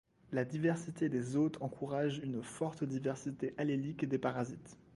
La diversité des hôtes encourage une forte diversité allélique des parasites.